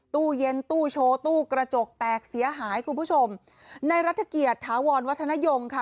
ตู้เย็นตู้โชว์ตู้กระจกแตกเสียหายคุณผู้ชมในรัฐเกียรติถาวรวัฒนยงค่ะ